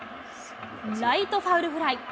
ライトファウルフライ。